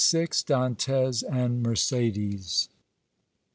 DANTÈS AND MERCÉDÈS.